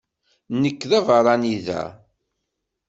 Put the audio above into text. Nekk d abeṛṛani da.